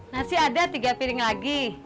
nanti ada tiga piring lagi